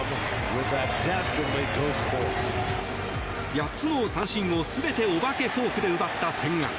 ８つの三振を全てお化けフォークで奪った千賀。